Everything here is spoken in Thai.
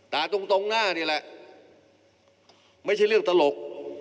ตรงตรงหน้านี่แหละไม่ใช่เรื่องตลก